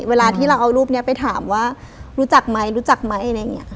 เวลาที่เราเอารูปนี้ไปถามว่ารู้จักไหมรู้จักไหมอะไรอย่างนี้ค่ะ